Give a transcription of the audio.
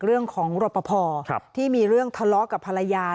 เรื่องของรปภที่มีเรื่องทะเลาะกับภรรยา